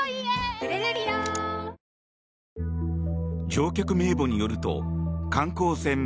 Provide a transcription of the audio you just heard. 乗客名簿によると観光船